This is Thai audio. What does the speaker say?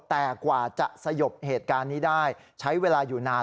แต่กว่าจะสยบเหตุการณ์นี้ได้ใช้เวลาอยู่นาน